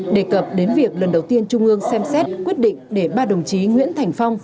đề cập đến việc lần đầu tiên trung ương xem xét quyết định để ba đồng chí nguyễn thành phong